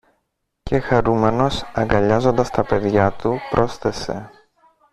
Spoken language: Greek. Και χαρούμενος, αγκαλιάζοντας τα παιδιά του πρόσθεσε